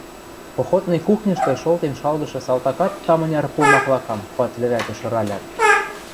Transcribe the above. Походный кухньышты шолтен шалгышы салтакат таманяр пу маклакам пад лӹвӓкӹ шыралят